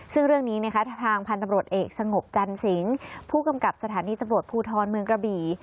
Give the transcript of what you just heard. ซึ่งเรื่องนี้นะคะทางพันธุ์ตำรวจเอกสงบจันสิงผู้กำกับสถานีตำรวจภูทรเมืองกระบี่